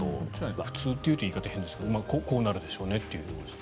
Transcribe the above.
普通というと言い方が変ですけどこうなるでしょうね。